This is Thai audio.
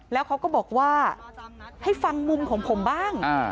แล้วเขาก็บอกว่าให้ฟังมุมของผมบ้าง